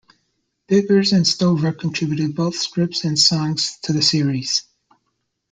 Biggers and Stover contributed both scripts and songs to the series.